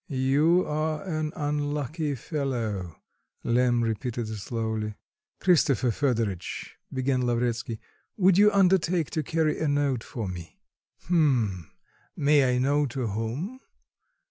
"You are an unlucky fellow," Lemm repeated slowly. "Christopher Fedoritch," began Lavretsky, "would you undertake to carry a note for me?" "H'm. May I know to whom?"